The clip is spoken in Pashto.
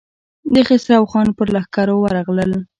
د خسرو خان پر لښکر ورغلل.